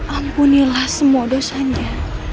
ampunilah semua dosanya